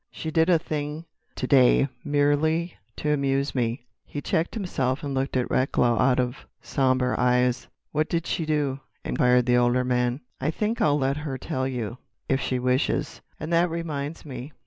She did a thing to day—merely to amuse me——" He checked himself and looked at Recklow out of sombre eyes. "What did she do?" inquired the older man. "I think I'll let her tell you—if she wishes.... And that reminds me.